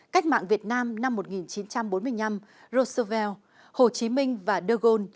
cách mạng việt nam năm một nghìn chín trăm bốn mươi năm roosevelt hồ chí minh và de gaulle